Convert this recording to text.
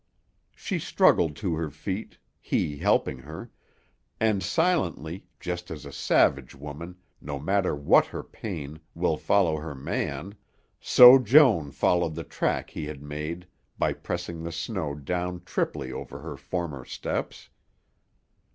She struggled to her feet, he helping her; and silently, just as a savage woman, no matter what her pain, will follow her man, so Joan followed the track he had made by pressing the snow down triply over her former steps.